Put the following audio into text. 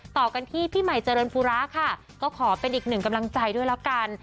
ต่อกันที่พี่ใหม่เจริญฟุระค่ะก็ขอเป็นอีกหนึ่งกำลังใจด้วยแล้วกัน